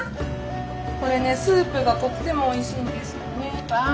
これねスープがとってもおいしいんですよね。